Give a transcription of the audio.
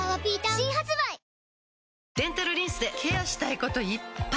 新発売デンタルリンスでケアしたいこといっぱい！